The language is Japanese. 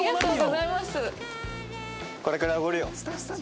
これくらいおごるよ。